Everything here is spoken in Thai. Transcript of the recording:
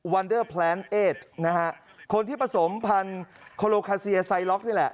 วันเดอร์แพลนเอสนะฮะคนที่ผสมพันธุ์โคโลคาเซียไซล็อกนี่แหละ